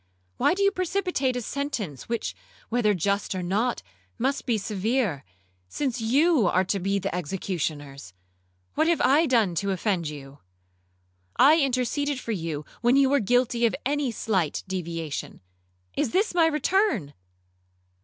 Why do you precipitate a sentence which, whether just or not, must be severe, since you are to be the executioners? What have I done to offend you? I interceded for you when you were guilty of any slight deviation—Is this my return?'